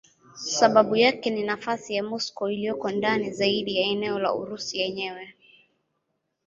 Sababu yake ni nafasi ya Moscow iliyoko ndani zaidi ya eneo la Urusi yenyewe.